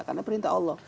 karena perintah allah